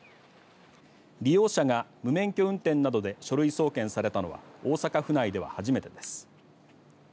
利用者が無免許運転などで書類送検されたのは大阪府内では初めてです。